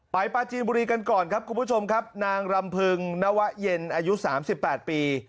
ปลาจีนบุรีกันก่อนครับคุณผู้ชมครับนางรำพึงนวะเย็นอายุ๓๘ปี